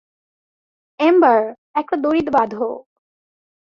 Ember, একটা দড়ি বাঁধো।